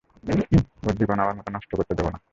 ওর জীবন আমার মতো নষ্ট হতে দেবো না।